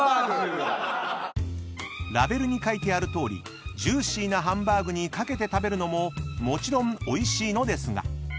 ［ラベルに書いてあるとおりジューシーなハンバーグに掛けて食べるのももちろんおいしいのですが］